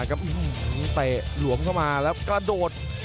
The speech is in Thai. เตะหลวมเข้ามาแล้วกระโดด